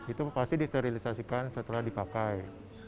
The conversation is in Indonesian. itu pasti disterilisasikan setelah dipakai